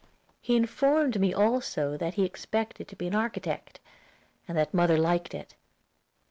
He informed me also that he expected to be an architect, and that mother liked it.